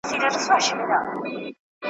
او د کاغذ مخ په رنګین کړي `